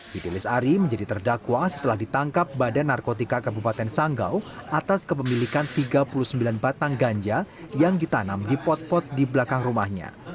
fidelis ari menjadi terdakwa setelah ditangkap badan narkotika kabupaten sanggau atas kepemilikan tiga puluh sembilan batang ganja yang ditanam di pot pot di belakang rumahnya